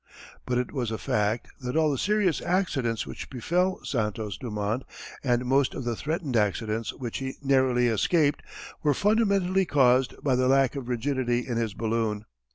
But it was a fact that all the serious accidents which befell Santos Dumont and most of the threatened accidents which he narrowly escaped were fundamentally caused by the lack of rigidity in his balloon.